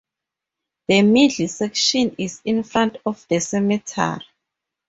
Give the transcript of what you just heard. The middle section is in front of the cemetery.